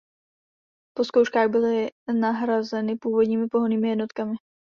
Po zkouškách byly nahrazeny původními pohonnými jednotkami.